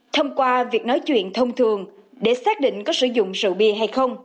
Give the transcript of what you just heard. thông qua việc nói chuyện thông thường để xác định có sử dụng rượu bia hay không